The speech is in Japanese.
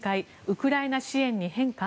ウクライナ支援に変化？